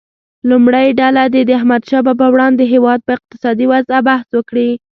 لومړۍ ډله دې د احمدشاه بابا وړاندې هیواد په اقتصادي وضعه بحث وکړي.